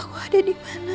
aku ada dimana